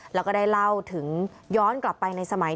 แล้วก็ได้เล่าถึงย้อนกลับไปในสมัย